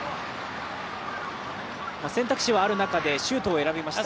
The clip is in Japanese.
選択肢はある中で、シュートを選びました